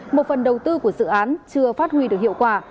một phần đầu tư của dự án chưa phát huy được hiệu quả